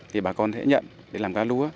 thì bà con sẽ nhận để làm cá lúa